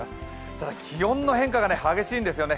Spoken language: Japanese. ただ、気温の変化が激しいんですよね。